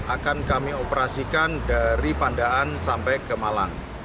akan kami operasikan dari pandaan sampai ke malang